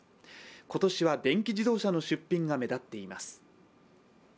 今年は電気自動車の出品が目立っています。